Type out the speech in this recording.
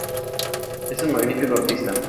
Es un magnífico artista.